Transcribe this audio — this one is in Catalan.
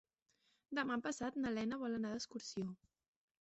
Demà passat na Lena vol anar d'excursió.